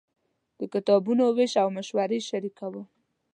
د کتابونو وېش او مشورې شریکوم.